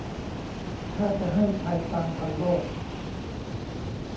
ถ้าจะให้ไทยตามทันโลก